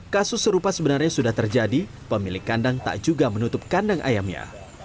kasus serupa sebenarnya sudah terjadi pemilik kandang tak juga menutup kandang ayamnya